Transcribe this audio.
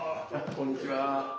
こんにちは。